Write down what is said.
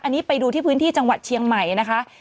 อันนี้ไปดูที่พื้นที่จังหวัดเชียงใหม่นะคะ